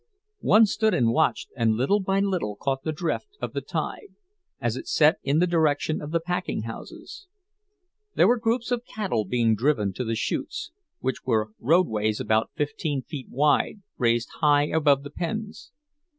One stood and watched, and little by little caught the drift of the tide, as it set in the direction of the packing houses. There were groups of cattle being driven to the chutes, which were roadways about fifteen feet wide, raised high above the pens.